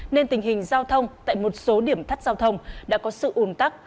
nên tình hình giao thông tại một số điểm thắt giao thông đã có sự ồn tắc